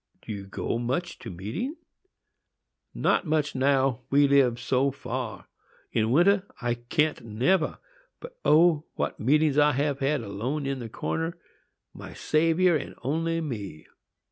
"Do you go much to meeting?" "Not much now, we live so far. In winter I can't never. But, O! what meetings I have had, alone in the corner,—my Saviour and only me!"